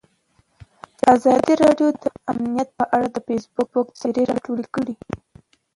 ازادي راډیو د امنیت په اړه د فیسبوک تبصرې راټولې کړي.